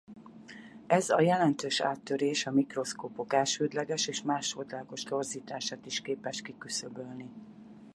Ez a jelentős áttörés a mikroszkópok elsődleges és másodlagos torzítását is képes kiküszöbölni.